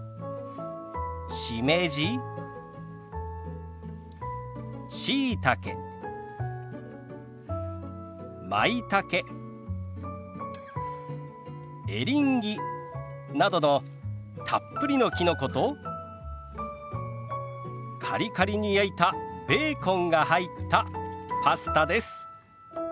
しめじしいたけまいたけエリンギなどのたっぷりのきのことカリカリに焼いたベーコンが入ったパスタです。